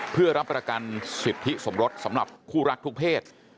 เพื่อรับประกันสิทธิสมรสสำหรับคู่รักทุกเพศ